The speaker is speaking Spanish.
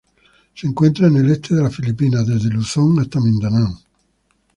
Se encuentra en el este de las Filipinas, desde Luzón hasta Mindanao.